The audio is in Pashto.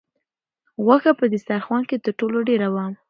غوښه په دسترخوان کې تر ټولو ډېره وه.